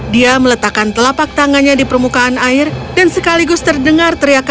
dia meletakkan telapak tangannya di permukaan air dan sekaligus terdengar teriakan